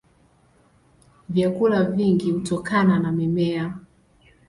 Vyakula vingi hutokana na mimea.